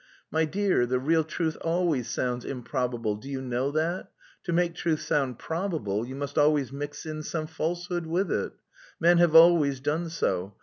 "My dear, the real truth always sounds improbable, do you know that? To make truth sound probable you must always mix in some falsehood with it. Men have always done so.